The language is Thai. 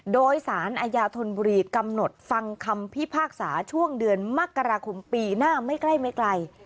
โดยสารอาญาธนบุรีกำหนดฟังคำพิพากษาช่วงเดือนมกราคมปีหน้าไม่ใกล้ไม่ไกล